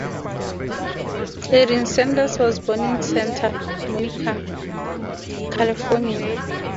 Erin Sanders was born in Santa Monica, California.